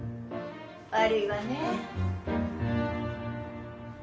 悪いわね。